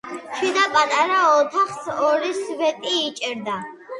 შიდა პატარა ოთახს ორი სვეტი იჭერდა.